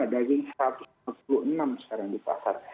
daging satu ratus lima puluh enam sekarang di pasar